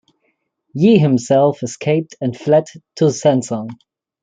Jie himself escaped and fled to Sanzong.